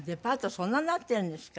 そんなになってるんですか。